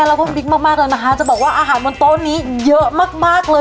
แล้วก็บิ๊กมากมากเลยนะคะจะบอกว่าอาหารบนโต๊ะนี้เยอะมากมากเลย